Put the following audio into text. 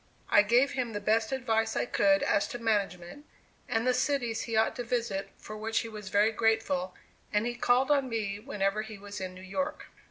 I gave him the best advice I could as to management, and the cities he ought to visit, for which he was very grateful and he called on me whenever he was in New York.